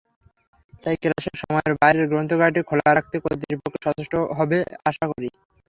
তাই ক্লাসের সময়ের বাইরেও গ্রন্থাগারটি খোলা রাখতে কর্তৃপক্ষ সচেষ্ট হবে, আশা করি।